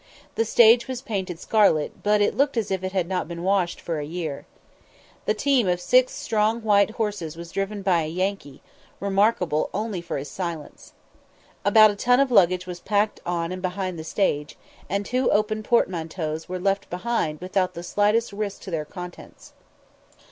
The stage was painted scarlet, but looked as if it had not been washed for a year. The team of six strong white horses was driven by a Yankee, remarkable only for his silence. About a ton of luggage was packed on and behind the stage, and two open portmanteaus were left behind without the slightest risk to their contents.